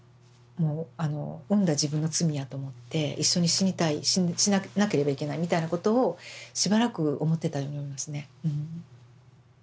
もう産んだ自分の罪やと思って一緒に死にたい死ななければいけないみたいなことをしばらく思ってたように思いますね。